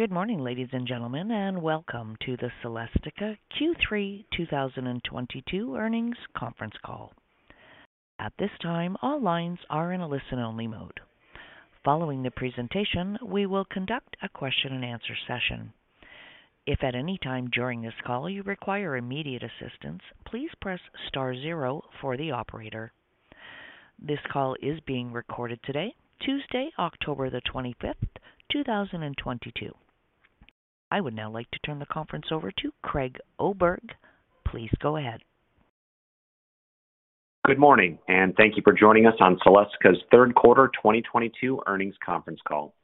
Good morning, ladies and gentlemen, and welcome to the Celestica Q3 2022 earnings conference call. At this time, all lines are in a listen-only mode. Following the presentation, we will conduct a question-and-answer session. If at any time during this call you require immediate assistance, please press star zero for the operator. This call is being recorded today, Tuesday, October 25th 2022. I would now like to turn the conference over to Craig Oberg. Please go ahead. Good morning, and thank you for joining us on Celestica's third quarter 2022 earnings conference call.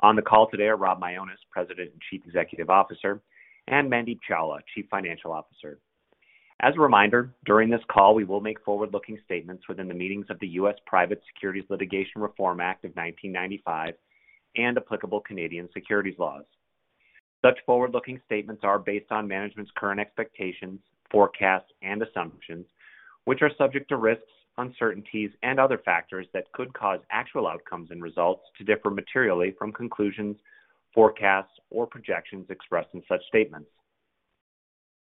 On the call today are Rob Mionis, President and CEO, and Mandeep Chawla, CFO. As a reminder, during this call, we will make forward-looking statements within the meaning of the U.S. Private Securities Litigation Reform Act of 1995 and applicable Canadian securities laws. Such forward-looking statements are based on management's current expectations, forecasts, and assumptions, which are subject to risks, uncertainties and other factors that could cause actual outcomes and results to differ materially from conclusions, forecasts, or projections expressed in such statements.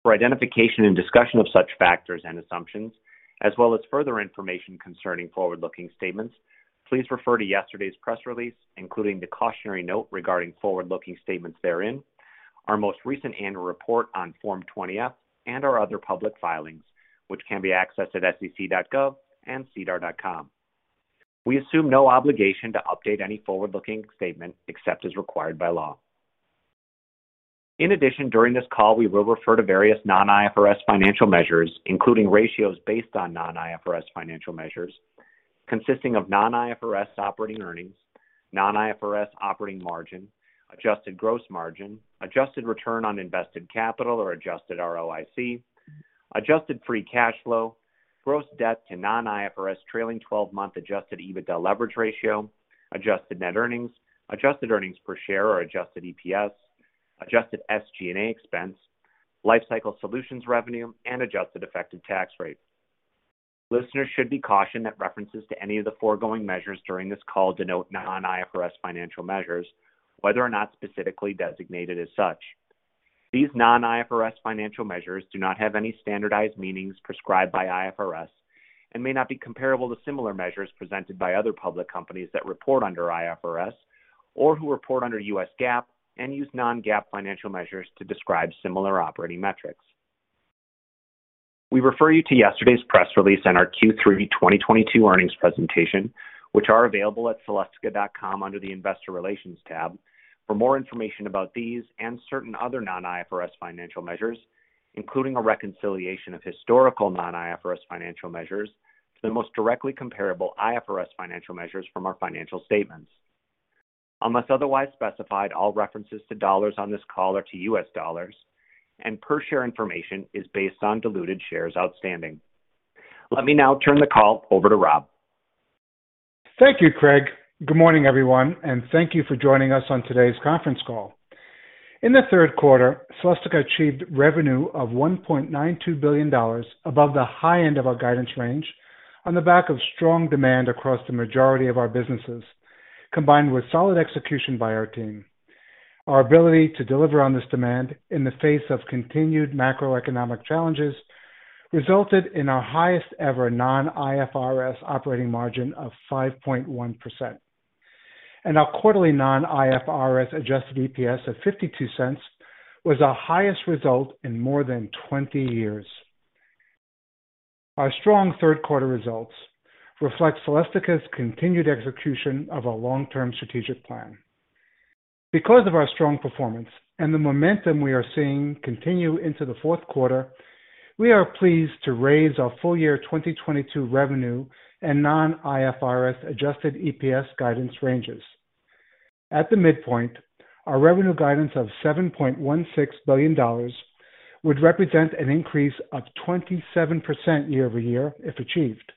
For identification and discussion of such factors and assumptions, as well as further information concerning forward-looking statements, please refer to yesterday's press release, including the cautionary note regarding forward-looking statements therein, our most recent annual report on Form 20-F, and our other public filings, which can be accessed at sec.gov and sedar.com. We assume no obligation to update any forward-looking statement except as required by law. In addition, during this call, we will refer to various non-IFRS financial measures, including ratios based on non-IFRS financial measures consisting of non-IFRS operating earnings, non-IFRS operating margin, adjusted gross margin, adjusted return on invested capital or adjusted ROIC, adjusted free cash flow, gross debt to non-IFRS trailing twelve-month adjusted EBITDA leverage ratio, adjusted net earnings, adjusted earnings per share or adjusted EPS, adjusted SG&A expense, lifecycle solutions revenue, and adjusted effective tax rate.p Listeners should be cautioned that references to any of the foregoing measures during this call denote non-IFRS financial measures, whether or not specifically designated as such. These non-IFRS financial measures do not have any standardized meanings prescribed by IFRS and may not be comparable to similar measures presented by other public companies that report under IFRS or who report under U.S. GAAP and use non-GAAP financial measures to describe similar operating metrics. We refer you to yesterday's press release and our Q3 2022 earnings presentation, which are available at celestica.com under the Investor Relations tab. For more information about these and certain other non-IFRS financial measures, including a reconciliation of historical non-IFRS financial measures to the most directly comparable IFRS financial measures from our financial statements. Unless otherwise specified, all references to dollars on this call are to U.S. dollars, and per share information is based on diluted shares outstanding. Let me now turn the call over to Rob Mionis. Thank you, Craig. Good morning, everyone, and thank you for joining us on today's conference call. In the Q3, Celestica achieved revenue of $1.92 billion above the high end of our guidance range on the back of strong demand across the majority of our businesses, combined with solid execution by our team. Our ability to deliver on this demand in the face of continued macroeconomic challenges resulted in our highest ever non-IFRS operating margin of 5.1%. Our quarterly non-IFRS adjusted EPS of $0.52 was our highest result in more than 20 years. Our strong third quarter results reflect Celestica's continued execution of a long-term strategic plan. Because of our strong performance and the momentum we are seeing continue into the fourth quarter, we are pleased to raise our full-year 2022 revenue and non-IFRS adjusted EPS guidance ranges. At the midpoint, our revenue guidance of $7.16 billion would represent an increase of 27% year-over-year, if achieved.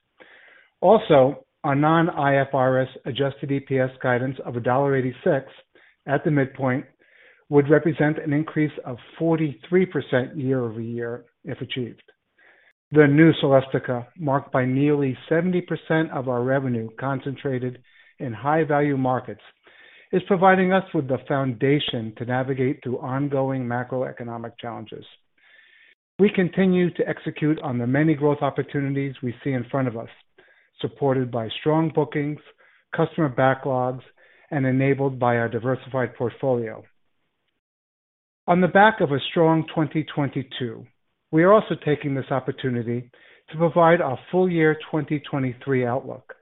Also, our non-IFRS adjusted EPS guidance of $1.86 at the midpoint would represent an increase of 43% year-over-year, if achieved. The new Celestica, marked by nearly 70% of our revenue concentrated in high-value markets, is providing us with the foundation to navigate through ongoing macroeconomic challenges. We continue to execute on the many growth opportunities we see in front of us, supported by strong bookings, customer backlogs, and enabled by our diversified portfolio. On the back of a strong 2022, we are also taking this opportunity to provide our full year 2023 outlook.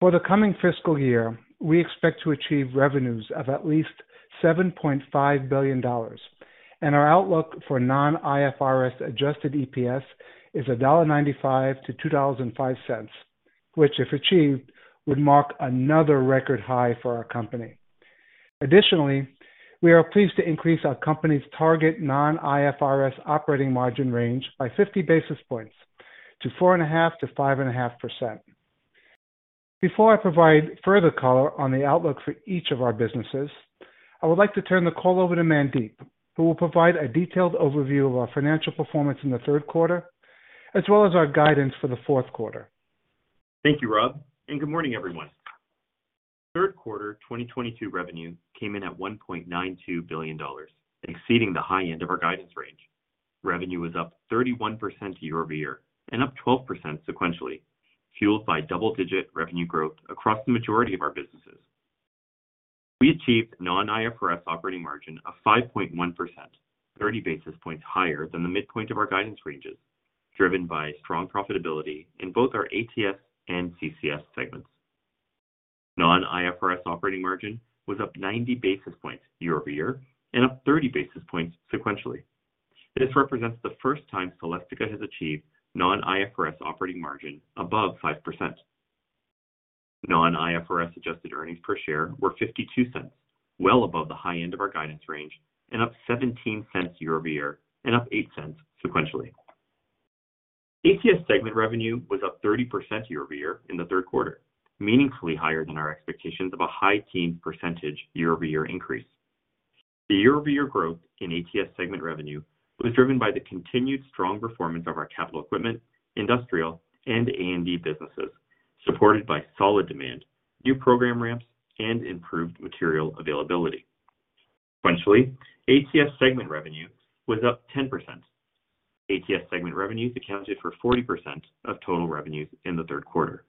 For the coming fiscal year, we expect to achieve revenues of at least $7.5 billion, and our outlook for non-IFRS Adjusted EPS is $1.95-$2.05, which, if achieved, would mark another record high for our company. Additionally, we are pleased to increase our company's target non-IFRS operating margin range by 50 basis points to 4.5%-5.5%. Before I provide further color on the outlook for each of our businesses, I would like to turn the call over to Mandeep, who will provide a detailed overview of our financial performance in the third quarter, as well as our guidance for the fourth quarter. Thank you, Rob, and good morning, everyone. Third quarter 2022 revenue came in at $1.92 billion, exceeding the high end of our guidance range. Revenue was up 31% year-over-year and up 12% sequentially, fueled by double-digit revenue growth across the majority of our businesses. We achieved non-IFRS operating margin of 5.1%, 30 basis points higher than the midpoint of our guidance ranges, driven by strong profitability in both our ATS and CCS segments. Non-IFRS operating margin was up 90 basis points year-over-year and up 30 basis points sequentially. This represents the first time Celestica has achieved non-IFRS operating margin above 5%. Non-IFRS adjusted earnings per share were $0.52, well above the high end of our guidance range, and up $0.17 year-over-year and up $0.08 sequentially. ATS segment revenue was up 30% year-over-year in Q3, meaningfully higher than our expectations of a high-teens percentage year-over-year increase. The year-over-year growth in ATS segment revenue was driven by the continued strong performance of our capital equipment, industrial, and A&D businesses, supported by solid demand, new program ramps, and improved material availability. Sequentially, ATS segment revenue was up 10%. ATS segment revenues accounted for 40% of total revenues in the third quarter.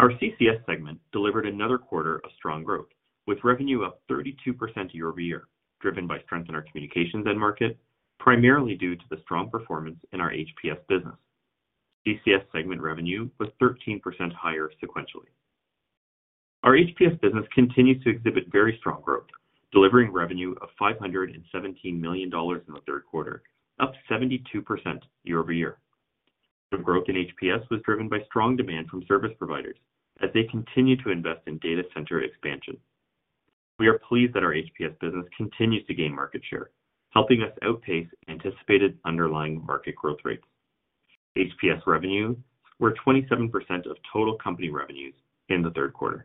Our CCS segment delivered another quarter of strong growth, with revenue up 32% year-over-year, driven by strength in our communications end market, primarily due to the strong performance in our HPS business. CCS segment revenue was 13% higher sequentially. Our HPS business continues to exhibit very strong growth, delivering revenue of $517 million in the Q3, up 72% year-over-year. The growth in HPS was driven by strong demand from service providers as they continue to invest in data center expansion. We are pleased that our HPS business continues to gain market share, helping us outpace anticipated underlying market growth rates. HPS revenues were 27% of total company revenues in the Q3.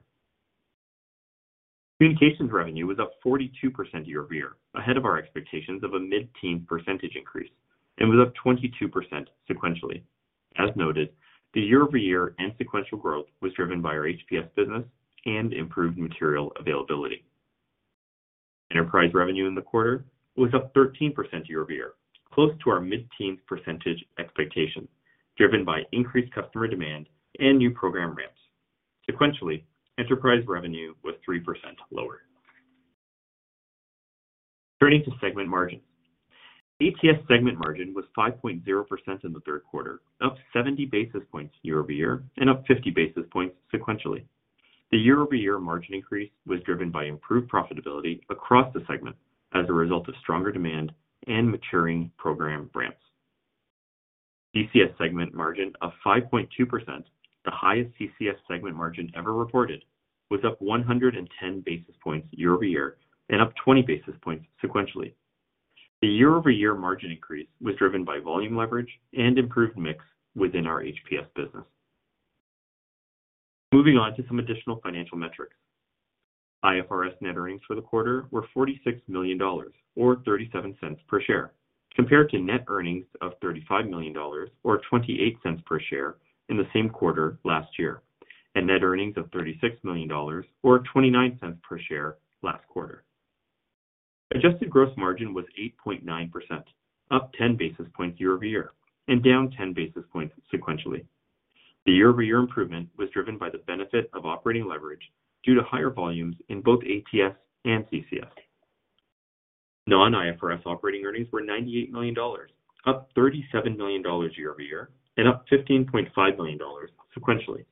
Communications revenue was up 42% year-over-year, ahead of our expectations of a mid-teen percentage increase, and was up 22% sequentially. As noted, the year-over-year and sequential growth was driven by our HPS business and improved material availability. Enterprise revenue in the quarter was up 13% year-over-year, close to our mid-teen percentage expectation, driven by increased customer demand and new program ramps. Sequentially, enterprise revenue was 3% lower. Turning to segment margins. ATS segment margin was 5.0% in the Q3, up 70 basis points year-over-year and up 50 basis points sequentially. The year-over-year margin increase was driven by improved profitability across the segment as a result of stronger demand and maturing program ramps. CCS segment margin of 5.2%, the highest CCS segment margin ever reported, was up 110 basis points year-over-year and up 20 basis points sequentially. The year-over-year margin increase was driven by volume leverage and improved mix within our HPS business. Moving on to some additional financial metrics. IFRS net earnings for the quarter were $46 million, or $0.37 per share, compared to net earnings of $35 million or $0.28 per share in the same quarter last year, and net earnings of $36 million or $0.29 per share last quarter. Adjusted gross margin was 8.9%, up 10 basis points year-over-year and down 10 basis points sequentially. The year-over-year improvement was driven by the benefit of operating leverage due to higher volumes in both ATS and CCS. Non-IFRS operating earnings were $98 million, up $37 million year-over-year and up $15.5 million sequentially.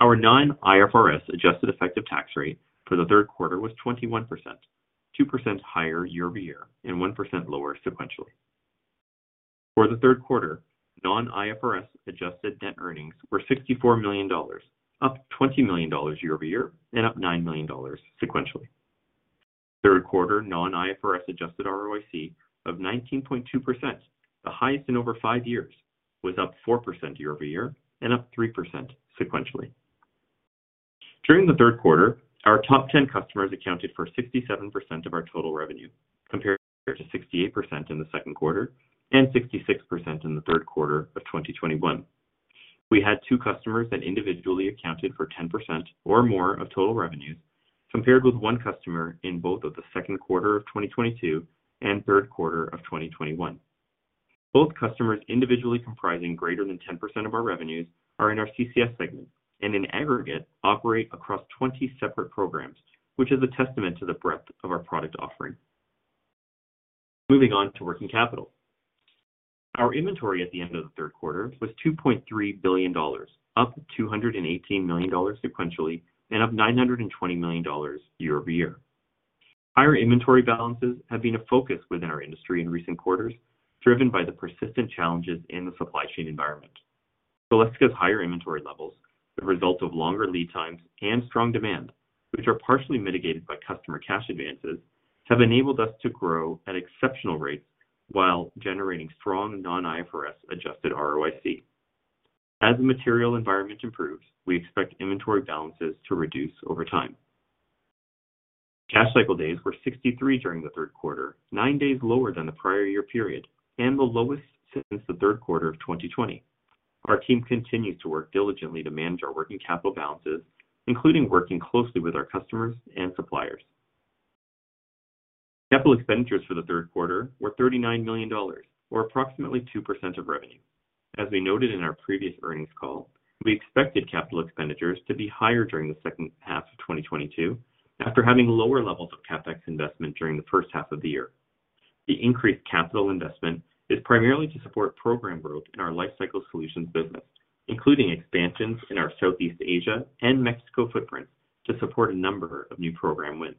Our non-IFRS adjusted effective tax rate for the third quarter was 21%, 2% higher year-over-year and 1% lower sequentially. For the Q3, non-IFRS adjusted net earnings were $64 million, up $20 million year-over-year and up $9 million sequentially. Q3 non-IFRS adjusted ROIC of 19.2%, the highest in over five years, was up 4% year-over-year and up 3% sequentially. During the Q3, our top 10 customers accounted for 67% of our total revenue, compared to 68% in the Q2 and 66% in the Q3 of 2021. We had two customers that individually accounted for 10% or more of total revenues, compared with one customer in both of the second quarter of 2022 and third quarter of 2021. Both customers individually comprising greater than 10% of our revenues are in our CCS segment and in aggregate operate across 20 separate programs, which is a testament to the breadth of our product offering. Moving on to working capital. Our inventory at the end of the Q3 was $2.3 billion, up $218 million sequentially and up $920 million year-over-year. Higher inventory balances have been a focus within our industry in recent quarters, driven by the persistent challenges in the supply chain environment. Celestica's higher inventory levels, the result of longer lead times and strong demand, which are partially mitigated by customer cash advances, have enabled us to grow at exceptional rates while generating strong non-IFRS adjusted ROIC. As the material environment improves, we expect inventory balances to reduce over time. Cash cycle days were 63 during the Q3, nine days lower than the prior year period and the lowest since the Q3 of 2020. Our team continues to work diligently to manage our working capital balances, including working closely with our customers and suppliers. Capital expenditures for the Q3 were $39 million, or approximately 2% of revenue. As we noted in our previous earnings call, we expected capital expenditures to be higher during the second half of 2022 after having lower levels of CapEx investment during the first half of the year. The increased capital investment is primarily to support program growth in our Lifecycle Solutions business, including expansions in our Southeast Asia and Mexico footprints to support a number of new program wins.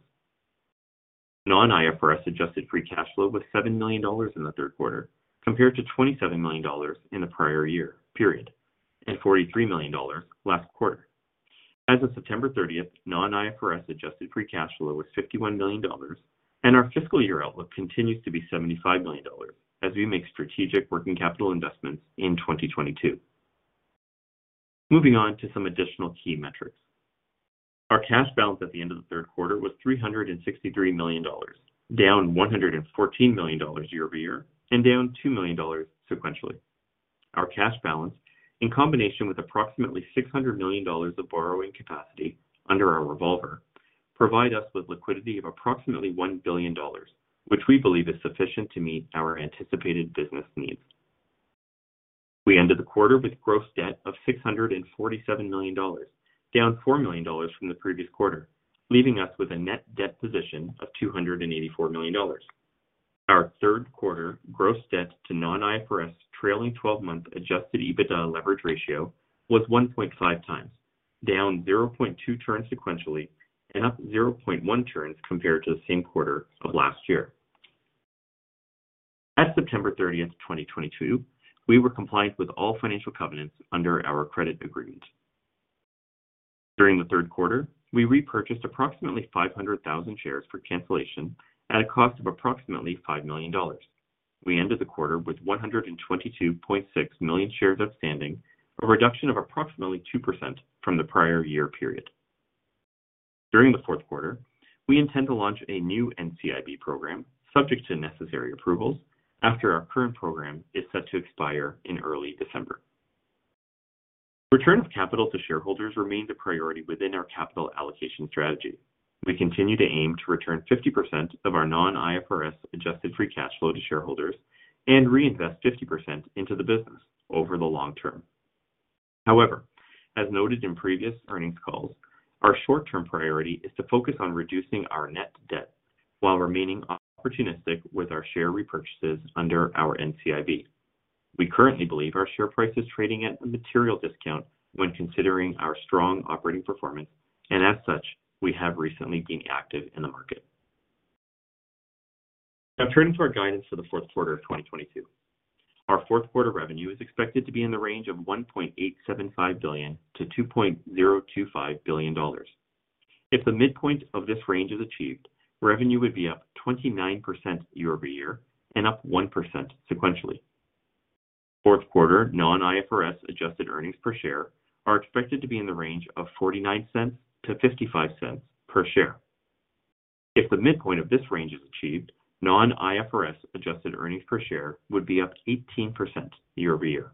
Non-IFRS Adjusted Free Cash Flow was $7 million in the Q3, compared to $27 million in the prior year period, and $43 million last quarter. As of September 30, Non-IFRS Adjusted Free Cash Flow was $51 million, and our fiscal year outlook continues to be $75 million as we make strategic working capital investments in 2022. Moving on to some additional key metrics. Our cash balance at the end of the Q3 was $363 million, down $114 million year over year and down $2 million sequentially. Our cash balance, in combination with approximately $600 million of borrowing capacity under our revolver, provide us with liquidity of approximately $1 billion, which we believe is sufficient to meet our anticipated business needs. We ended the quarter with gross debt of $647 million, down $4 million from the previous quarter, leaving us with a net debt position of $284 million. Our Q3 gross debt to non-IFRS trailing twelve-month adjusted EBITDA leverage ratio was 1.5 times, down 0.2 turns sequentially and up 0.1 turns compared to the same quarter of last year. At September 30, 2022, we were compliant with all financial covenants under our credit agreement. During the third quarter, we repurchased approximately 500,000 shares for cancellation at a cost of approximately $5 million. We ended the quarter with 122.6 million shares outstanding, a reduction of approximately 2% from the prior year period. During the fourth quarter, we intend to launch a new NCIB program subject to necessary approvals after our current program is set to expire in early December. Return of capital to shareholders remained a priority within our capital allocation strategy. We continue to aim to return 50% of our non-IFRS Adjusted Free Cash Flow to shareholders and reinvest 50% into the business over the long term. However, as noted in previous earnings calls, our short-term priority is to focus on reducing our net debt while remaining opportunistic with our share repurchases under our NCIB. We currently believe our share price is trading at a material discount when considering our strong operating performance, and as such, we have recently been active in the market. Now turning to our guidance for the Q4 of 2022. Our fourth quarter revenue is expected to be in the range of $1.875 billion-$2.025 billion. If the midpoint of this range is achieved, revenue would be up 29% year-over-year and up 1% sequentially. Q4 non-IFRS adjusted earnings per share are expected to be in the range of $0.49-$0.55 per share. If the midpoint of this range is achieved, non-IFRS adjusted earnings per share would be up 18% year-over-year.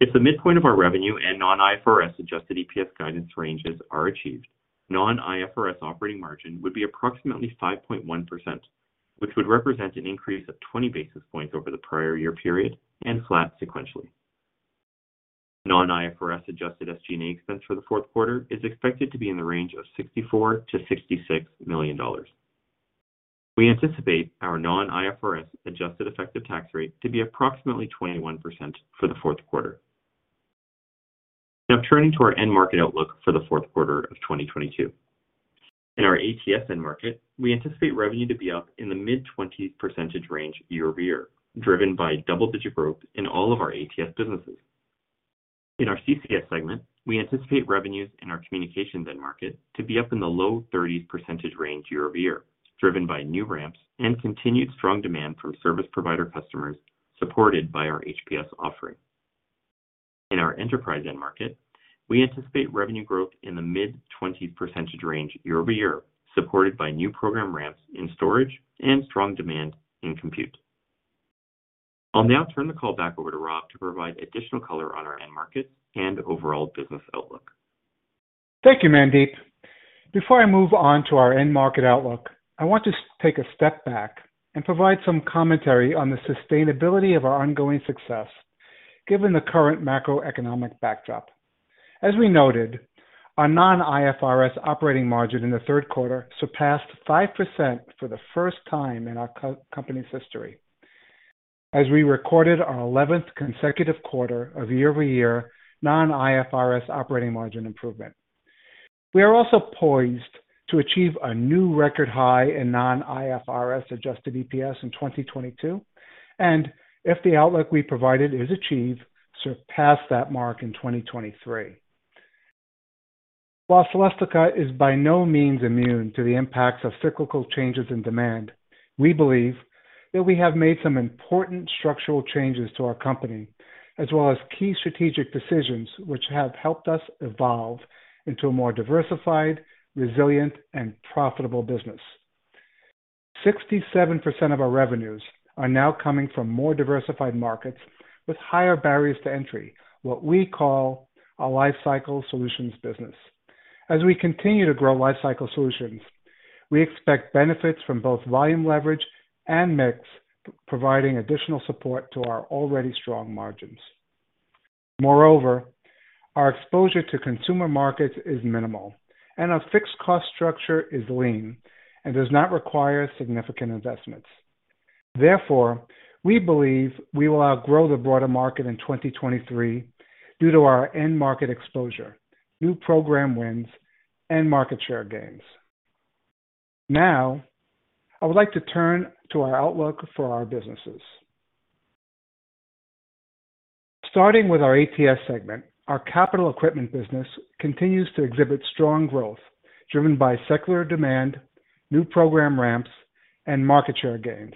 If the midpoint of our revenue and non-IFRS adjusted EPS guidance ranges are achieved, non-IFRS operating margin would be approximately 5.1%, which would represent an increase of 20 basis points over the prior year period and flat sequentially. Non-IFRS adjusted SG&A expense for the Q4 is expected to be in the range of $64 million-$66 million. We anticipate our non-IFRS adjusted effective tax rate to be approximately 21% for the Q4. Now turning to our end market outlook for the Q4of 2022. In our ATS end market, we anticipate revenue to be up in the mid-20s% range year-over-year, driven by double-digit growth in all of our ATS businesses. In our CCS segment, we anticipate revenues in our communications end market to be up in the low 30s% range year-over-year, driven by new ramps and continued strong demand from service provider customers supported by our HPS offering. In our enterprise end market, we anticipate revenue growth in the mid-20s% range year-over-year, supported by new program ramps in storage and strong demand in compute. I'll now turn the call back over to Rob to provide additional color on our end markets and overall business outlook. Thank you, Mandeep. Before I move on to our end market outlook, I want to take a step back and provide some commentary on the sustainability of our ongoing success, given the current macroeconomic backdrop. As we noted, our non-IFRS operating margin in the third quarter surpassed 5% for the first time in our company's history as we recorded our eleventh consecutive quarter of year-over-year non-IFRS operating margin improvement. We are also poised to achieve a new record high in non-IFRS adjusted EPS in 2022, and if the outlook we provided is achieved, surpass that mark in 2023. While Celestica is by no means immune to the impacts of cyclical changes in demand, we believe that we have made some important structural changes to our company, as well as key strategic decisions which have helped us evolve into a more diversified, resilient, and profitable business. 67% of our revenues are now coming from more diversified markets with higher barriers to entry, what we call a Lifecycle Solutions business. As we continue to grow Lifecycle Solutions, we expect benefits from both volume leverage and mix, providing additional support to our already strong margins. Moreover, our exposure to consumer markets is minimal, and our fixed cost structure is lean and does not require significant investments. Therefore, we believe we will outgrow the broader market in 2023 due to our end market exposure, new program wins, and market share gains. Now, I would like to turn to our outlook for our businesses. Starting with our ATS segment, our Capital Equipment business continues to exhibit strong growth driven by secular demand, new program ramps, and market share gains.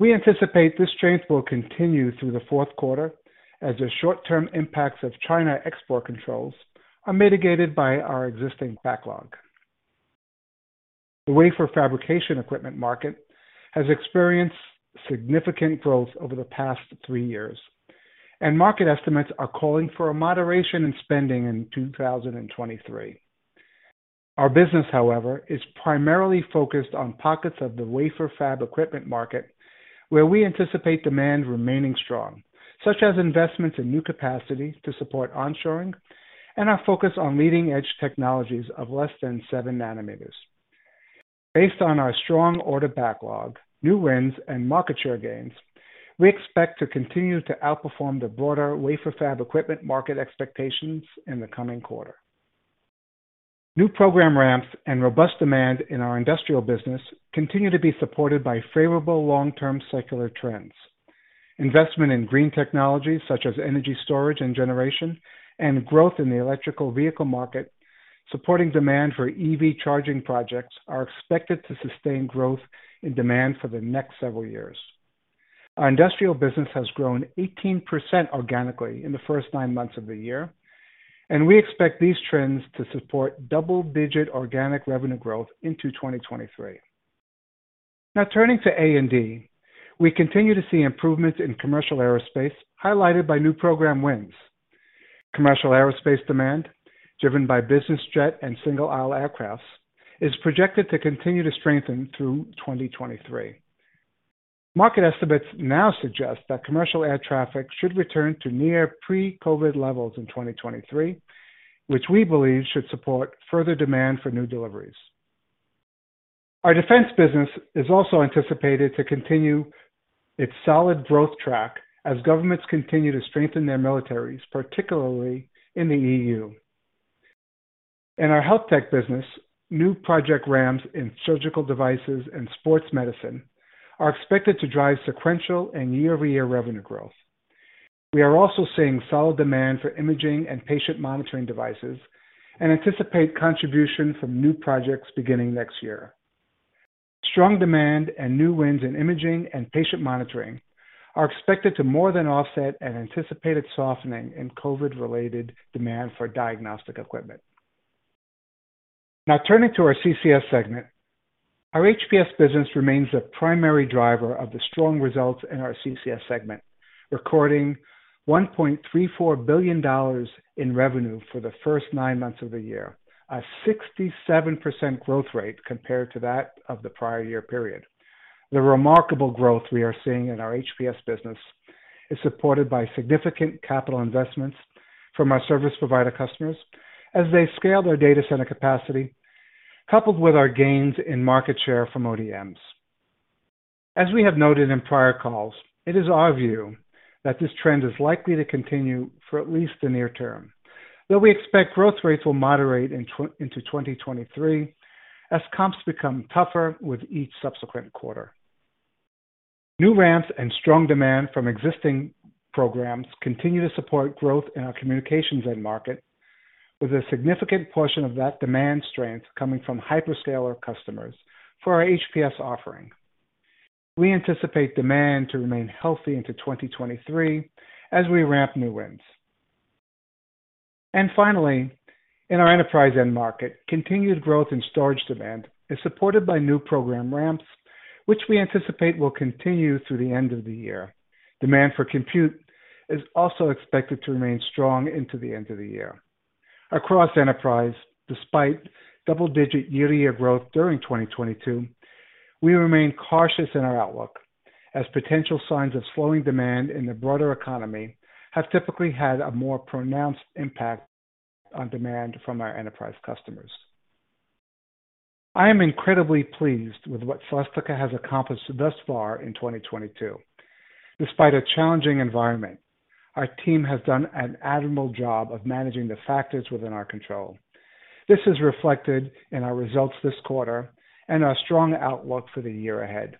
We anticipate this strength will continue through the fourth quarter as the short-term impacts of China export controls are mitigated by our existing backlog. The wafer fabrication equipment market has experienced significant growth over the past three years, and market estimates are calling for a moderation in spending in 2023. Our business, however, is primarily focused on pockets of the wafer fab equipment market, where we anticipate demand remaining strong, such as investments in new capacity to support onshoring and our focus on leading-edge technologies of less than seven nanometers. Based on our strong order backlog, new wins, and market share gains, we expect to continue to outperform the broader wafer fab equipment market expectations in the coming quarter. New program ramps and robust demand in our industrial business continue to be supported by favorable long-term secular trends. Investment in green technologies, such as energy storage and generation, and growth in the electric vehicle market supporting demand for EV charging projects are expected to sustain growth in demand for the next several years. Our industrial business has grown 18% organically in the first nine months of the year, and we expect these trends to support double-digit organic revenue growth into 2023. Now turning to A&D. We continue to see improvements in commercial aerospace, highlighted by new program wins. Commercial aerospace demand, driven by business jet and single-aisle aircraft, is projected to continue to strengthen through 2023. Market estimates now suggest that commercial air traffic should return to near pre-COVID levels in 2023, which we believe should support further demand for new deliveries. Our defense business is also anticipated to continue its solid growth track as governments continue to strengthen their militaries, particularly in the EU. In our health tech business, new project ramps in surgical devices and sports medicine are expected to drive sequential and year-over-year revenue growth. We are also seeing solid demand for imaging and patient monitoring devices and anticipate contribution from new projects beginning next year. Strong demand and new wins in imaging and patient monitoring are expected to more than offset an anticipated softening in COVID-related demand for diagnostic equipment. Now turning to our CCS segment. Our HPS business remains the primary driver of the strong results in our CCS segment, recording $1.34 billion in revenue for the first nine months of the year, a 67% growth rate compared to that of the prior year period. The remarkable growth we are seeing in our HPS business is supported by significant capital investments from our service provider customers as they scale their data center capacity, coupled with our gains in market share from ODMs. As we have noted in prior calls, it is our view that this trend is likely to continue for at least the near term, though we expect growth rates will moderate in 2023 as comps become tougher with each subsequent quarter. New ramps and strong demand from existing programs continue to support growth in our communications end market, with a significant portion of that demand strength coming from hyperscaler customers for our HPS offering. We anticipate demand to remain healthy into 2023 as we ramp new wins. Finally, in our enterprise end market, continued growth in storage demand is supported by new program ramps, which we anticipate will continue through the end of the year. Demand for compute is also expected to remain strong into the end of the year. Across enterprise, despite double-digit year-to-year growth during 2022, we remain cautious in our outlook, as potential signs of slowing demand in the broader economy have typically had a more pronounced impact on demand from our enterprise customers. I am incredibly pleased with what Celestica has accomplished thus far in 2022. Despite a challenging environment, our team has done an admirable job of managing the factors within our control. This is reflected in our results this quarter and our strong outlook for the year ahead.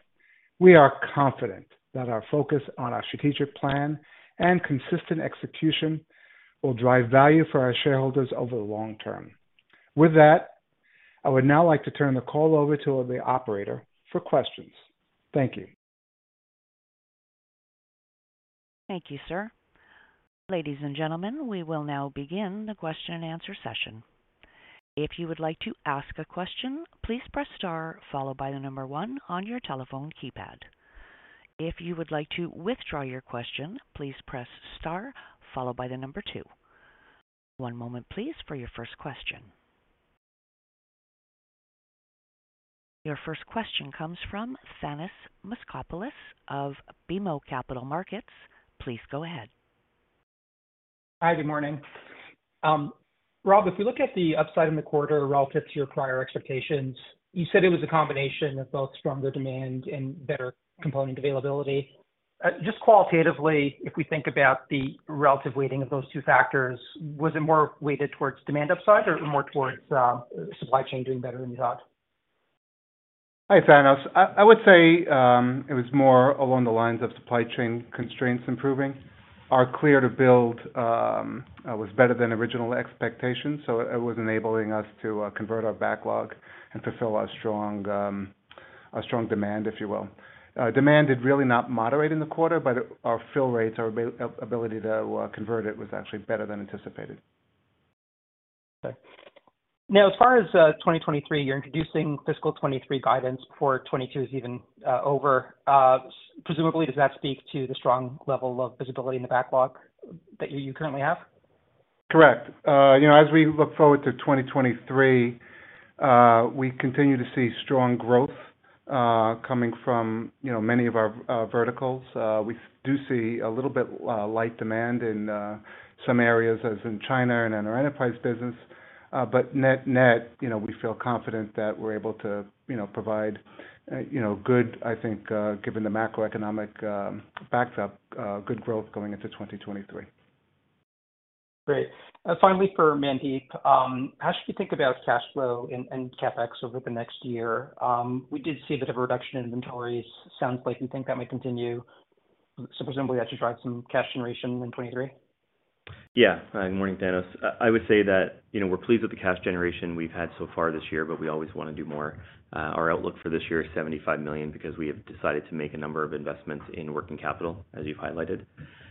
We are confident that our focus on our strategic plan and consistent execution will drive value for our shareholders over the long term. With that, I would now like to turn the call over to the operator for questions. Thank you. Thank you, sir. Ladies and gentlemen, we will now begin the question and answer session. If you would like to ask a question, please press star followed by the number one on your telephone keypad. If you would like to withdraw your question, please press star followed by the number two. One moment please for your first question. Your first question comes from Thanos Moschopoulos of BMO Capital Markets. Please go ahead. Hi, good morning. Rob, if we look at the upside in the quarter relative to your prior expectations, you said it was a combination of both stronger demand and better component availability. Just qualitatively, if we think about the relative weighting of those two factors, was it more weighted towards demand upside or more towards supply chain doing better than you thought? Hi, Thanos. I would say it was more along the lines of supply chain constraints improving. Our clear to build was better than original expectations, so it was enabling us to convert our backlog and fulfill our strong demand, if you will. Demand had really not moderated in the quarter, but our fill rates, our ability to convert it was actually better than anticipated. Okay. Now, as far as 2023, you're introducing fiscal 2023 guidance before 2022 is even over. Presumably, does that speak to the strong level of visibility in the backlog that you currently have? Correct. You know, as we look forward to 2023, we continue to see strong growth coming from, you know, many of our verticals. We do see a little bit light demand in some areas as in China and in our enterprise business. Net-net, you know, we feel confident that we're able to, you know, provide, you know, good, I think, given the macroeconomic backdrop, good growth going into 2023. Great. Finally for Mandeep. How should we think about cash flow and CapEx over the next year? We did see a bit of a reduction in inventories. Sounds like you think that may continue. Presumably that should drive some cash generation in 2023. Yeah. Morning, Thanos. I would say that, you know, we're pleased with the cash generation we've had so far this year, but we always wanna do more. Our outlook for this year is $75 million because we have decided to make a number of investments in working capital, as you've highlighted.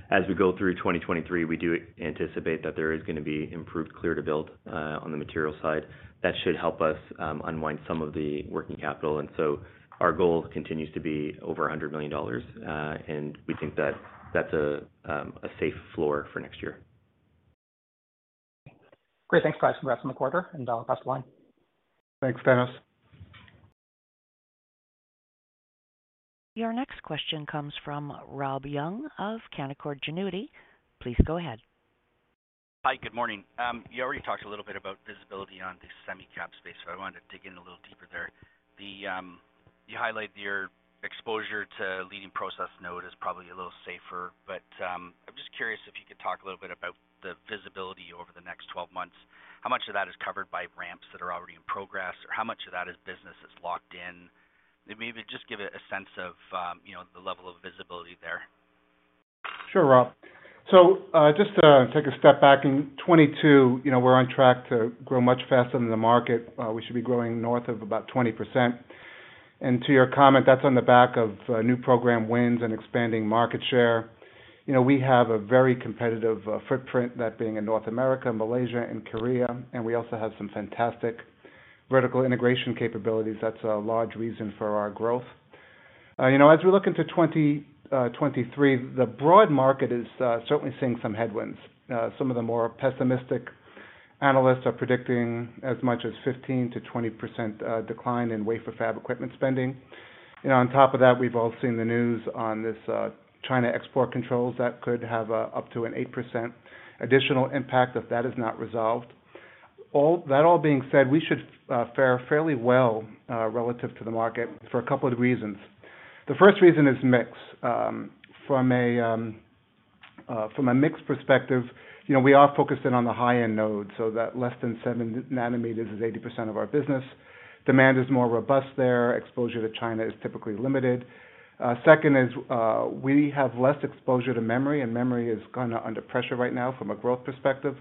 As we go through 2023, we do anticipate that there is gonna be improved clear to build on the material side. That should help us unwind some of the working capital. Our goal continues to be over $100 million, and we think that that's a safe floor for next year. Great. Thanks guys. Congrats on the quarter, and beat across the line. Thanks, Thanos. Your next question comes from Robert Young of Canaccord Genuity. Please go ahead. Hi, good morning. You already talked a little bit about visibility on the semi cap space, so I wanted to dig in a little deeper there. You highlight your exposure to leading process node is probably a little safer. I'm just curious if you could talk a little bit about the visibility over the next 12 months. How much of that is covered by ramps that are already in progress, or how much of that is business that's locked in? Maybe just give a sense of, you know, the level of visibility there. Sure, Rob Mionis. Just to take a step back. In 2022, you know, we're on track to grow much faster than the market. We should be growing north of about 20%. To your comment, that's on the back of new program wins and expanding market share. You know, we have a very competitive footprint, that being in North America, Malaysia and Korea, and we also have some fantastic vertical integration capabilities. That's a large reason for our growth. You know, as we look into 2023, the broad market is certainly seeing some headwinds. Some of the more pessimistic analysts are predicting as much as 15%-20% decline in wafer fab equipment spending. You know, on top of that, we've all seen the news on this, China export controls that could have up to an 8% additional impact if that is not resolved. That all being said, we should fare fairly well relative to the market for a couple of reasons. The first reason is mix. From a mix perspective, you know, we are focusing on the high-end nodes, so that less than seven nanometers is 80% of our business. Demand is more robust there. Exposure to China is typically limited. Second is, we have less exposure to memory, and memory is kind of under pressure right now from a growth perspective.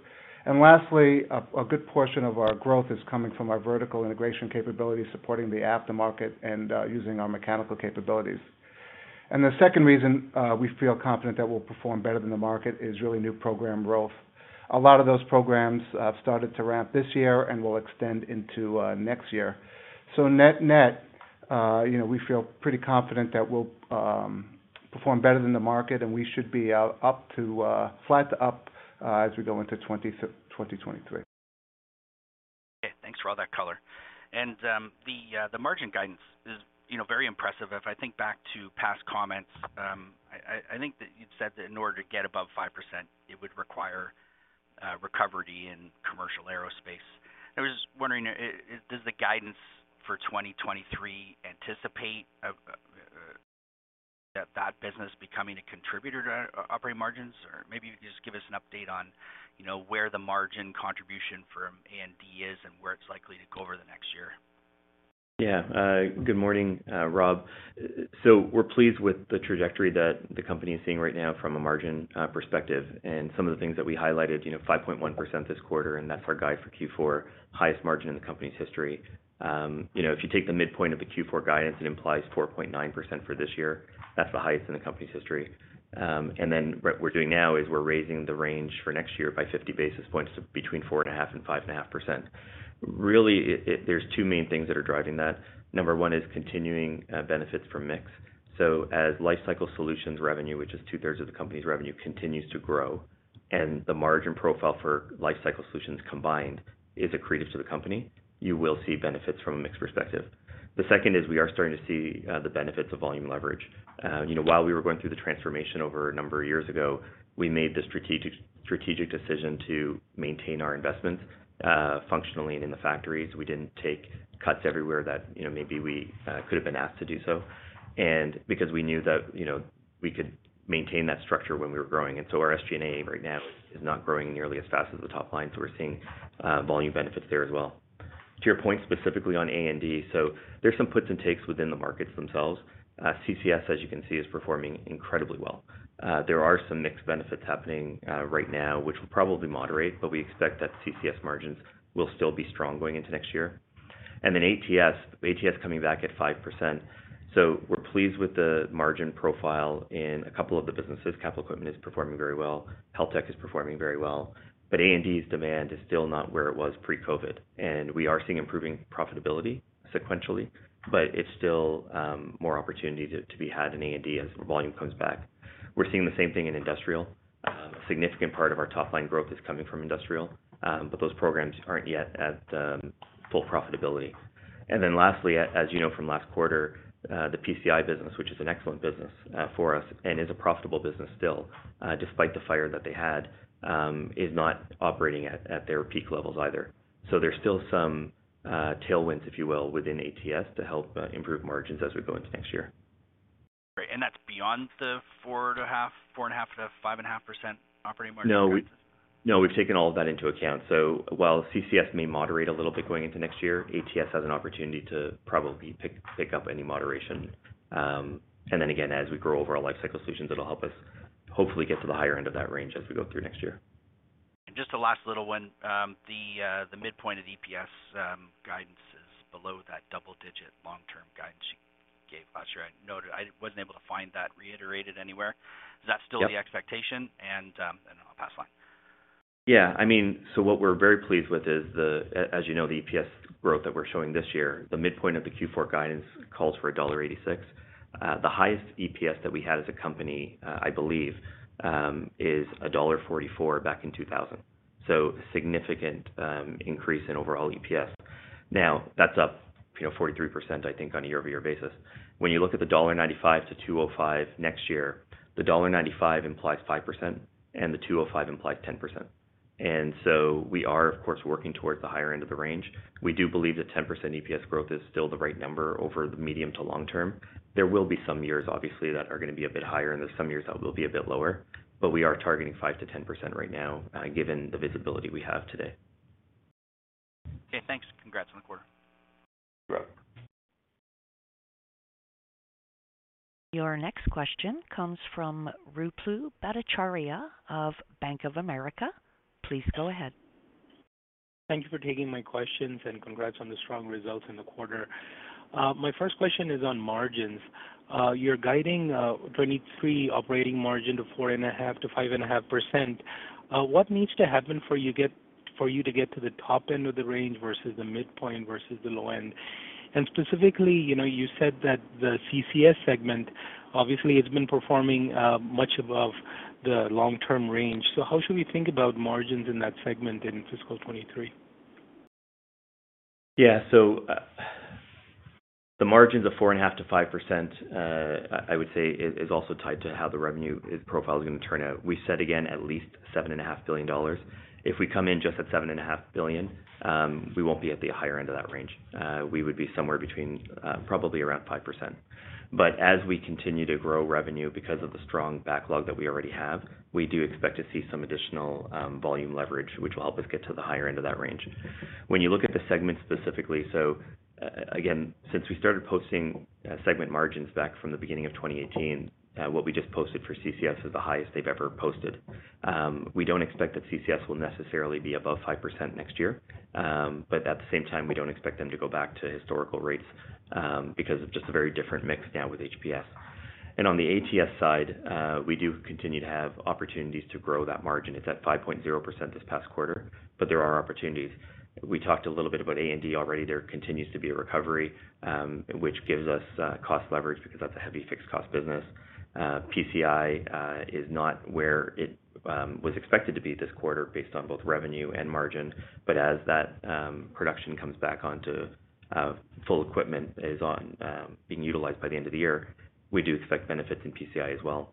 Lastly, a good portion of our growth is coming from our vertical integration capabilities, supporting the aftermarket and using our mechanical capabilities. The second reason we feel confident that we'll perform better than the market is really new program growth. A lot of those programs started to ramp this year and will extend into next year. Net-net, you know, we feel pretty confident that we'll perform better than the market and we should be flat to up as we go into 2023. Okay, thanks for all that color. The margin guidance is, you know, very impressive. If I think back to past comments, I think that you'd said that in order to get above 5% it would require recovery in commercial aerospace. I was wondering that business becoming a contributor to operating margins? Or maybe just give us an update on, you know, where the margin contribution from A&D is and where it's likely to go over the next year. Yeah. Good morning, Rob. We're pleased with the trajectory that the company is seeing right now from a margin perspective and some of the things that we highlighted, you know, 5.1% this quarter, and that's our guide for Q4, highest margin in the company's history. You know, if you take the midpoint of the Q4 guidance, it implies 4.9% for this year. That's the highest in the company's history. And then what we're doing now is we're raising the range for next year by 50 basis points between 4.5% and 5.5%. Really. There's two main things that are driving that. Number one is continuing benefits from mix. As Lifecycle Solutions revenue, which is two-thirds of the company's revenue, continues to grow and the margin profile for Lifecycle Solutions combined is accretive to the company, you will see benefits from a mix perspective. The second is we are starting to see the benefits of volume leverage. You know, while we were going through the transformation over a number of years ago, we made the strategic decision to maintain our investments functionally and in the factories. We didn't take cuts everywhere that, you know, maybe we could have been asked to do so, and because we knew that, you know, we could maintain that structure when we were growing. Our SG&A right now is not growing nearly as fast as the top line, so we're seeing volume benefits there as well. To your point, specifically on A&D, so there's some puts and takes within the markets themselves. CCS, as you can see, is performing incredibly well. There are some mixed benefits happening right now, which will probably moderate, but we expect that CCS margins will still be strong going into next year. ATS coming back at 5%. We're pleased with the margin profile in a couple of the businesses. Capital Equipment is performing very well. Health tech is performing very well. A&D's demand is still not where it was pre-COVID, and we are seeing improving profitability sequentially, but it's still more opportunity to be had in A&D as volume comes back. We're seeing the same thing in industrial. A significant part of our top line growth is coming from industrial, but those programs aren't yet at full profitability. Lastly, as you know from last quarter, the PCI business, which is an excellent business for us and is a profitable business still, despite the fire that they had, is not operating at their peak levels either. There's still some tailwinds, if you will, within ATS to help improve margins as we go into next year. Great. That's beyond the 4.5%-5.5% operating margin? No, we've taken all of that into account. While CCS may moderate a little bit going into next year, ATS has an opportunity to probably pick up any moderation. As we grow over our Lifecycle Solutions, it'll help us hopefully get to the higher end of that range as we go through next year. Just a last little one. The midpoint of EPS guidance is below that double-digit long-term guidance you gave last year. I wasn't able to find that reiterated anywhere. Yep. Is that still the expectation? Then I'll pass the line. Yeah, I mean, what we're very pleased with is, as you know, the EPS growth that we're showing this year, the midpoint of the Q4 guidance calls for $1.86. The highest EPS that we had as a company, I believe, is $1.44 back in 2000. Significant increase in overall EPS. Now that's up, you know, 43%, I think, on a year-over-year basis. When you look at the $1.95-$2.05 next year, the $1.95 implies 5% and the $2.05 implies 10%. We are, of course, working towards the higher end of the range. We do believe that 10% EPS growth is still the right number over the medium to long term. There will be some years, obviously, that are gonna be a bit higher, and there's some years that will be a bit lower. We are targeting 5%-10% right now, given the visibility we have today. Okay, thanks. Congrats on the quarter. Great. Your next question comes from Ruplu Bhattacharya of Bank of America. Please go ahead. Thank you for taking my questions, and congrats on the strong results in the quarter. My first question is on margins. You're guiding 2023 operating margin to 4.5%-5.5%. What needs to happen for you to get to the top end of the range versus the midpoint versus the low end? Specifically, you know, you said that the CCS segment obviously has been performing much above the long-term range. How should we think about margins in that segment in fiscal 2023? Yeah. The margins of 4.5%-5% I would say is also tied to how the revenue is profiled is gonna turn out. We said, again, at least $7.5 billion. If we come in just at $7.5 billion, we won't be at the higher end of that range. We would be somewhere between, probably around 5%. As we continue to grow revenue because of the strong backlog that we already have, we do expect to see some additional volume leverage, which will help us get to the higher end of that range. When you look at the segment specifically, again, since we started posting segment margins back from the beginning of 2018, what we just posted for CCS is the highest they've ever posted. We don't expect that CCS will necessarily be above 5% next year. At the same time, we don't expect them to go back to historical rates, because of just a very different mix now with HPS. On the ATS side, we do continue to have opportunities to grow that margin. It's at 5.0% this past quarter, but there are opportunities. We talked a little bit about A&D already. There continues to be a recovery, which gives us cost leverage because that's a heavy fixed cost business. PCI is not where it was expected to be this quarter based on both revenue and margin. As that production comes back on to full, equipment is on being utilized by the end of the year, we do expect benefits in PCI as well.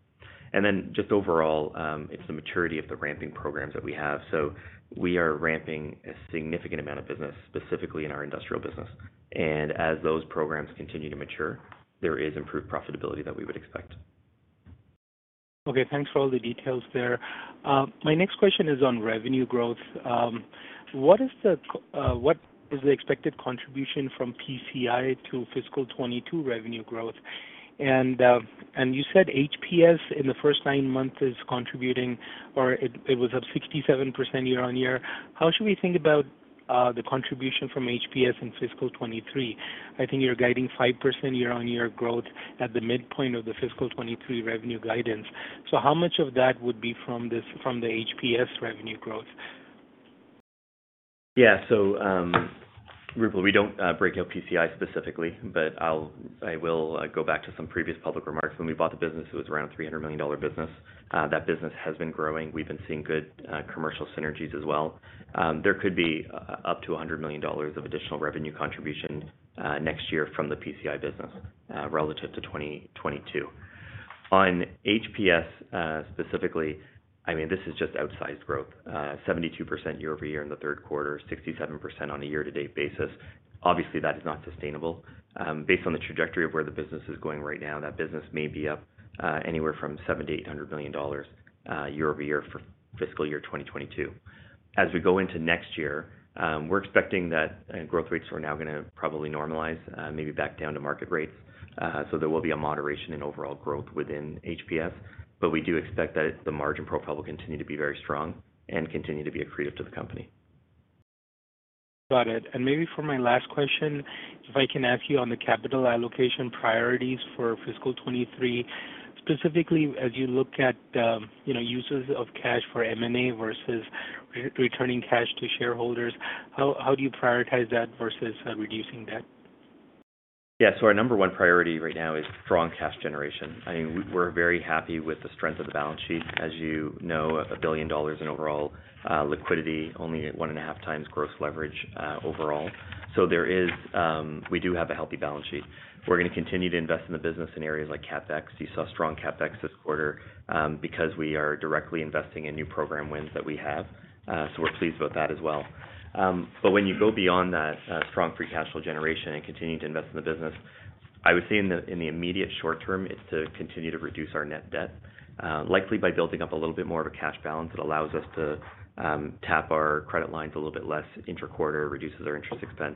Just overall, it's the maturity of the ramping programs that we have. We are ramping a significant amount of business, specifically in our industrial business. As those programs continue to mature, there is improved profitability that we would expect. Okay, thanks for all the details there. My next question is on revenue growth. What is the expected contribution from PCI to fiscal 2022 revenue growth? And you said HPS in the first nine months is contributing, or it was up 67% year-on-year. How should we think about the contribution from HPS in fiscal 2023? I think you're guiding 5% year-on-year growth at the midpoint of the fiscal 2023 revenue guidance. So how much of that would be from the HPS revenue growth? Yeah. Ruplu, we don't break out PCI specifically, but I will go back to some previous public remarks. When we bought the business, it was around $300 million dollar business. That business has been growing. We've been seeing good commercial synergies as well. There could be up to $100 million of additional revenue contribution next year from the PCI business relative to 2022. On HPS specifically, I mean, this is just outsized growth, 72% year-over-year in the Q3, 67% on a year-to-date basis. Obviously, that is not sustainable. Based on the trajectory of where the business is going right now, that business may be up anywhere from $700-$800 million year-over-year for fiscal year 2022. As we go into next year, we're expecting that growth rates are now gonna probably normalize, maybe back down to market rates. There will be a moderation in overall growth within HPS, but we do expect that the margin profile will continue to be very strong and continue to be accretive to the company. Got it. Maybe for my last question, if I can ask you on the capital allocation priorities for fiscal 2023, specifically as you look at uses of cash for M&A versus returning cash to shareholders, how do you prioritize that versus reducing debt? Yeah. Our number one priority right now is strong cash generation. I mean, we're very happy with the strength of the balance sheet. As you know, $1 billion in overall liquidity, only at 1.5 times gross leverage, overall. We do have a healthy balance sheet. We're gonna continue to invest in the business in areas like CapEx. You saw strong CapEx this quarter, because we are directly investing in new program wins that we have. We're pleased about that as well. When you go beyond that, strong free cash flow generation and continue to invest in the business, I would say in the immediate short term is to continue to reduce our net debt, likely by building up a little bit more of a cash balance that allows us to tap our credit lines a little bit less inter-quarter, reduces our interest expense.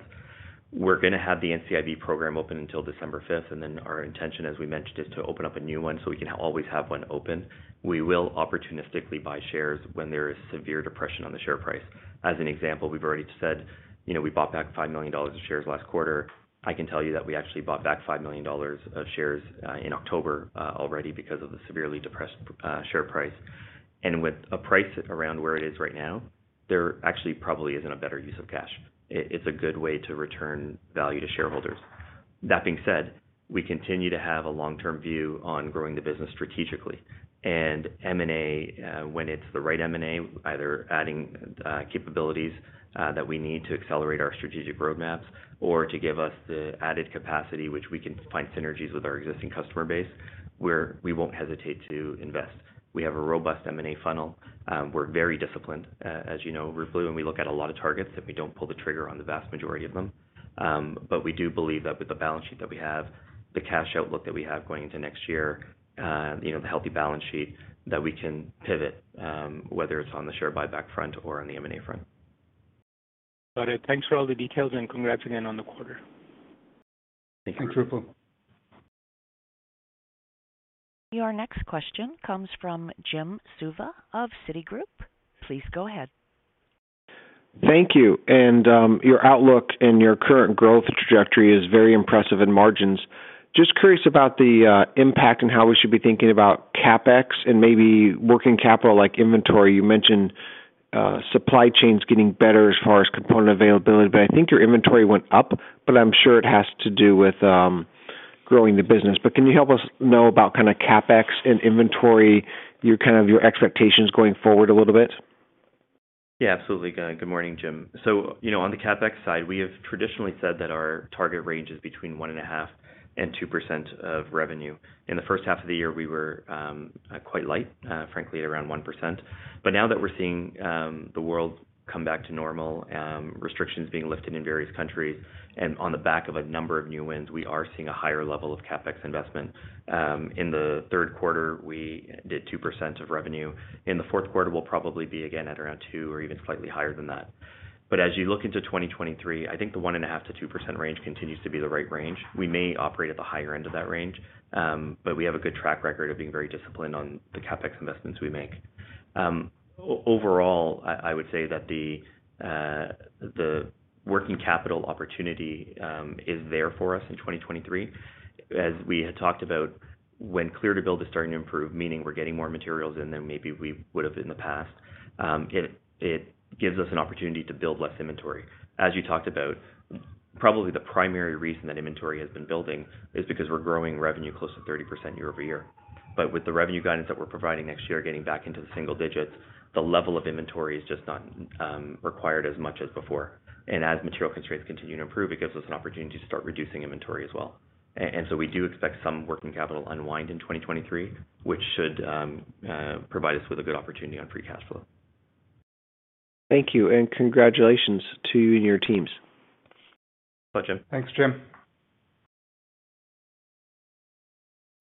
We're gonna have the NCIB program open until December fifth, and then our intention, as we mentioned, is to open up a new one so we can always have one open. We will opportunistically buy shares when there is severe depression on the share price. As an example, we've already said, you know, we bought back $5 million of shares last quarter. I can tell you that we actually bought back $5 million of shares in October already because of the severely depressed share price. With a price around where it is right now, there actually probably isn't a better use of cash. It's a good way to return value to shareholders. That being said, we continue to have a long-term view on growing the business strategically. M&A, when it's the right M&A, either adding capabilities that we need to accelerate our strategic roadmaps or to give us the added capacity which we can find synergies with our existing customer base, we won't hesitate to invest. We have a robust M&A funnel. We're very disciplined, as you know, Ruplu, and we look at a lot of targets, and we don't pull the trigger on the vast majority of them. We do believe that with the balance sheet that we have, the cash outlook that we have going into next year, you know, the healthy balance sheet, that we can pivot, whether it's on the share buyback front or on the M&A front. Got it. Thanks for all the details, and congrats again on the quarter. Thank you. Thanks, Ruplu. Your next question comes from Jim Suva of Citigroup. Please go ahead. Thank you. Your outlook and your current growth trajectory is very impressive in margins. Just curious about the impact and how we should be thinking about CapEx and maybe working capital like inventory. You mentioned supply chains getting better as far as component availability, but I think your inventory went up, but I'm sure it has to do with growing the business. Can you help us know about kinda CapEx and inventory, your kind of expectations going forward a little bit? Yeah, absolutely. Good morning, Jim. You know, on the CapEx side, we have traditionally said that our target range is between 1.5% and 2% of revenue. In the first half of the year, we were quite light, frankly at around 1%. Now that we're seeing the world come back to normal, restrictions being lifted in various countries, and on the back of a number of new wins, we are seeing a higher level of CapEx investment. In the third quarter, we did 2% of revenue. In the fourth quarter, we'll probably be again at around 2% or even slightly higher than that. As you look into 2023, I think the 1.5%-2% range continues to be the right range. We may operate at the higher end of that range, but we have a good track record of being very disciplined on the CapEx investments we make. Overall, I would say that the working capital opportunity is there for us in 2023. As we had talked about, when clear to build is starting to improve, meaning we're getting more materials than maybe we would have in the past, it gives us an opportunity to build less inventory. As you talked about, probably the primary reason that inventory has been building is because we're growing revenue close to 30% year-over-year. With the revenue guidance that we're providing next year, getting back into the single digits, the level of inventory is just not required as much as before. As material constraints continue to improve, it gives us an opportunity to start reducing inventory as well. We do expect some working capital unwind in 2023, which should provide us with a good opportunity on free cash flow. Thank you, and congratulations to you and your teams. Thanks, Jim. Thanks, Jim.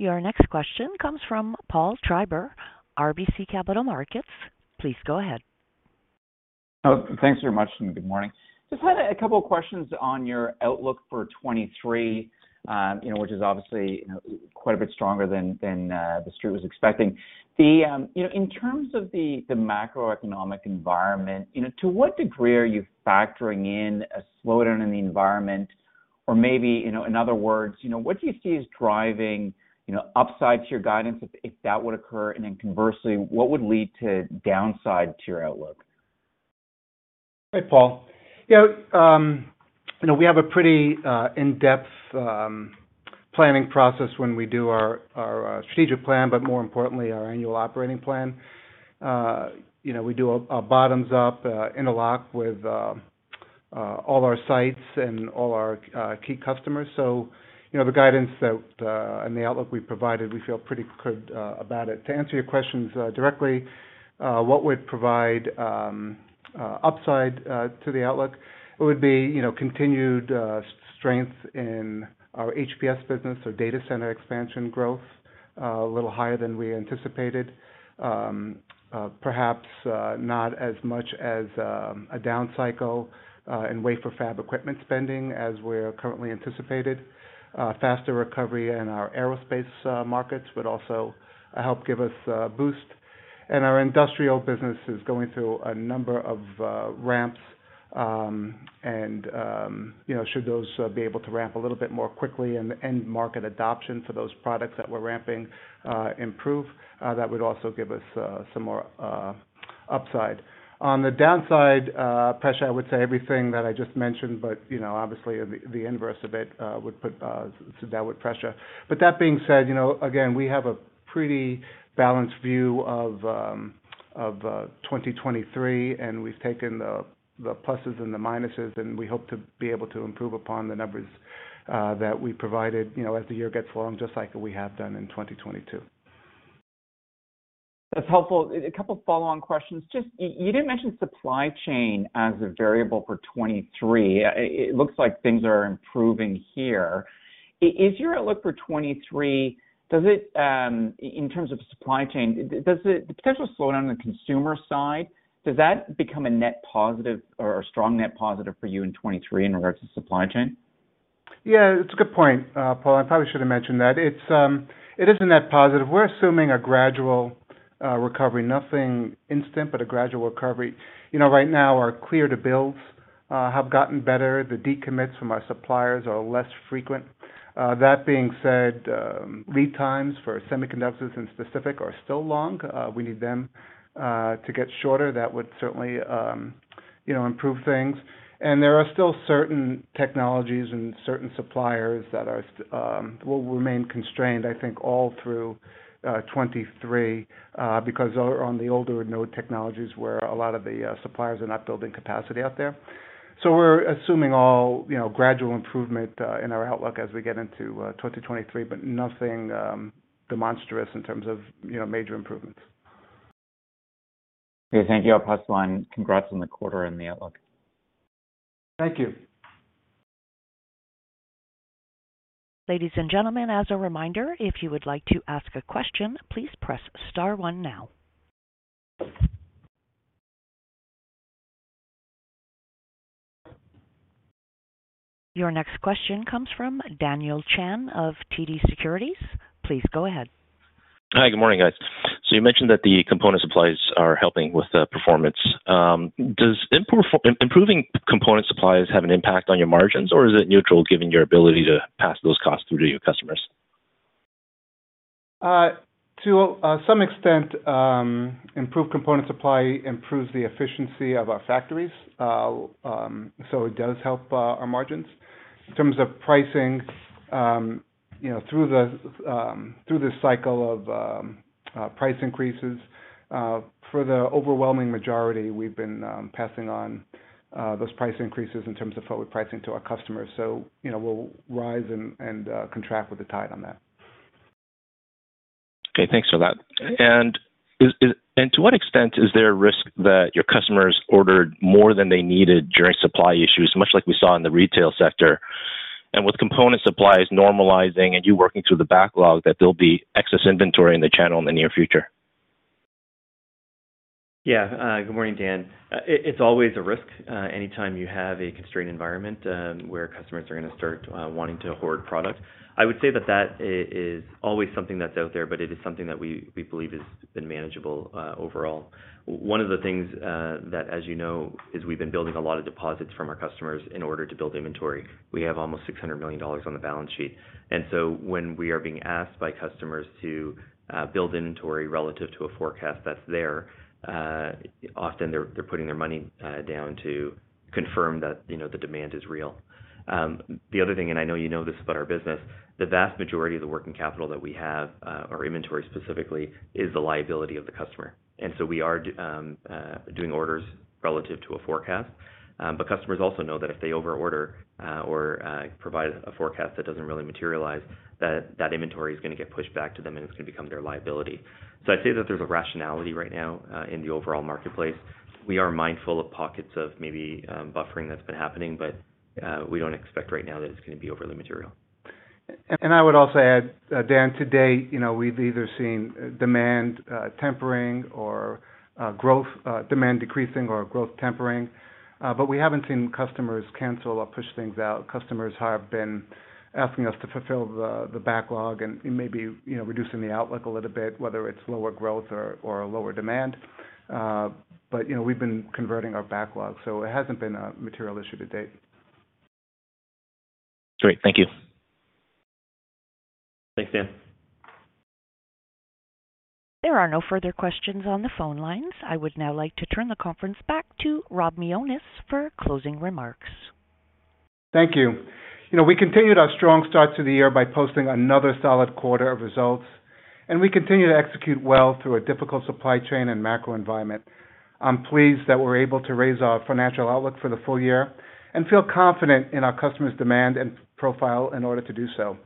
Your next question comes from Paul Treiber, RBC Capital Markets. Please go ahead. Oh, thanks very much, and good morning. Just had a couple of questions on your outlook for 2023, you know, which is obviously, you know, quite a bit stronger than the Street was expecting. You know, in terms of the macroeconomic environment, you know, to what degree are you factoring in a slowdown in the environment? Or maybe, you know, in other words, you know, what do you see as driving, you know, upside to your guidance if that would occur? Conversely, what would lead to downside to your outlook? Hey, Paul. You know, you know, we have a pretty in-depth planning process when we do our strategic plan, but more importantly, our annual operating plan. You know, we do a bottoms up interlock with all our sites and all our key customers. You know, the guidance that and the outlook we provided, we feel pretty good about it. To answer your questions directly, what would provide upside to the outlook, it would be, you know, continued strength in our HPS business or data center expansion growth a little higher than we anticipated. Perhaps not as much as a down cycle in wafer fab equipment spending as we're currently anticipated. Faster recovery in our aerospace markets would also help give us a boost. Our industrial business is going through a number of ramps, and you know, should those be able to ramp a little bit more quickly in the end market adoption for those products that we're ramping, improve, that would also give us some more upside. On the downside, pressure, I would say everything that I just mentioned, but you know, obviously the inverse of it would put downward pressure. That being said, you know, again, we have a pretty balanced view of 2023, and we've taken the pluses and the minuses, and we hope to be able to improve upon the numbers that we provided, you know, as the year goes along, just like we have done in 2022. That's helpful. A couple of follow-on questions. Just, you didn't mention supply chain as a variable for 2023. It looks like things are improving here. Is your outlook for 2023, in terms of supply chain, the potential slowdown on the consumer side, does that become a net positive or a strong net positive for you in 2023 in regards to supply chain? Yeah, it's a good point, Paul. I probably should have mentioned that. It is a net positive. We're assuming a gradual recovery. Nothing instant, but a gradual recovery. You know, right now our clear to build have gotten better. The decommits from our suppliers are less frequent. That being said, lead times for semiconductors specifically are still long. We need them to get shorter. That would certainly, you know, improve things. There are still certain technologies and certain suppliers that will remain constrained, I think all through 2023, because on the older node technologies where a lot of the suppliers are not building capacity out there. We're assuming all, you know, gradual improvement in our outlook as we get into 2023, but nothing monstrous in terms of, you know, major improvements. Okay. Thank you. I'll pass the line. Congrats on the quarter and the outlook. Thank you. Ladies and gentlemen, as a reminder, if you would like to ask a question, please press star one now. Your next question comes from Daniel Chan of TD Securities. Please go ahead. Hi. Good morning, guys. You mentioned that the component supplies are helping with the performance. Does improving component supplies have an impact on your margins, or is it neutral given your ability to pass those costs through to your customers? To some extent, improved component supply improves the efficiency of our factories. It does help our margins. In terms of pricing, you know, through this cycle of price increases, for the overwhelming majority, we've been passing on those price increases in terms of forward pricing to our customers. You know, we'll rise and fall with the tide on that. Okay, thanks for that. To what extent is there a risk that your customers ordered more than they needed during supply issues, much like we saw in the retail sector? With component supplies normalizing and you working through the backlog, that there'll be excess inventory in the channel in the near future. Yeah. Good morning, Dan. It's always a risk anytime you have a constrained environment where customers are gonna start wanting to hoard product. I would say that is always something that's out there, but it is something that we believe has been manageable overall. One of the things that, as you know, is we've been building a lot of deposits from our customers in order to build inventory. We have almost $600 million on the balance sheet. So when we are being asked by customers to build inventory relative to a forecast that's there, often they're putting their money down to confirm that, you know, the demand is real. The other thing, and I know you know this about our business, the vast majority of the working capital that we have, or inventory specifically, is the liability of the customer. We are doing orders relative to a forecast. Customers also know that if they overorder or provide a forecast that doesn't really materialize, that inventory is gonna get pushed back to them, and it's gonna become their liability. I'd say that there's a rationality right now in the overall marketplace. We are mindful of pockets of maybe buffering that's been happening, but we don't expect right now that it's gonna be overly material. I would also add, Dan, today, you know, we've either seen demand tempering or growth demand decreasing or growth tempering, but we haven't seen customers cancel or push things out. Customers have been asking us to fulfill the backlog and maybe, you know, reducing the outlook a little bit, whether it's lower growth or a lower demand. You know, we've been converting our backlog, so it hasn't been a material issue to date. Great. Thank you. Thanks, Dan. There are no further questions on the phone lines. I would now like to turn the conference back to Rob Mionis for closing remarks. Thank you. You know, we continued our strong start to the year by posting another solid quarter of results, and we continue to execute well through a difficult supply chain and macro environment. I'm pleased that we're able to raise our financial outlook for the full year and feel confident in our customer's demand and profile in order to do so.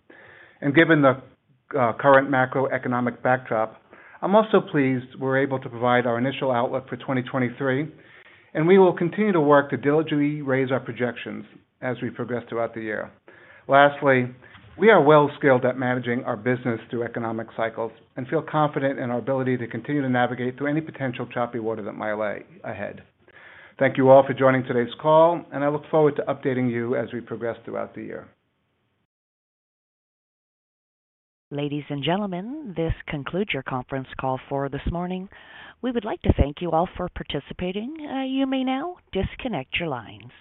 Given the current macroeconomic backdrop, I'm also pleased we're able to provide our initial outlook for 2023, and we will continue to work to diligently raise our projections as we progress throughout the year. Lastly, we are well skilled at managing our business through economic cycles and feel confident in our ability to continue to navigate through any potential choppy water that might lay ahead. Thank you all for joining today's call, and I look forward to updating you as we progress throughout the year. Ladies and gentlemen, this concludes your conference call for this morning. We would like to thank you all for participating. You may now disconnect your lines.